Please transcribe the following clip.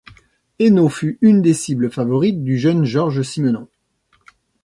Henault fut une des cibles favorites du jeune Georges Simenon.